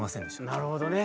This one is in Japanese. なるほどね。